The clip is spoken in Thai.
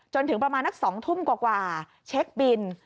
จนถึงประมาณนัก๒ทุ่มกว่าเช็คบิน